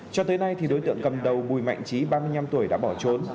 cho tới nay đối tượng cầm đầu bùi mạnh chí ba mươi năm tuổi đã bỏ trốn